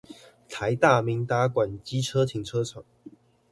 臺大明達館機車停車場